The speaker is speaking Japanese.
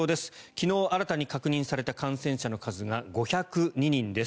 昨日新たに確認された感染者の数が５０２人です。